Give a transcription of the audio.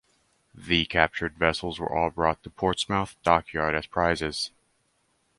The captured vessels were all brought to Portsmouth Dockyard as prizes.